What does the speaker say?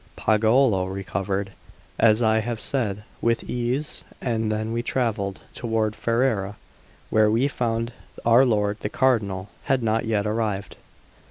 Pagolo recovered, as I have said, with ease; and then we travelled toward Ferrara, where we found our lord the Cardinal had not yet arrived.